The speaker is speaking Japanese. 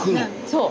そう。